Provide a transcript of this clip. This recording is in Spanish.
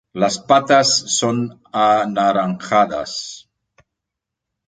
Las patas son anaranjadas.